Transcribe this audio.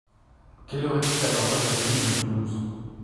Quelle heure est-il à l'horloge atomique de Toulouse?